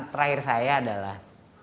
terakhir saya adalah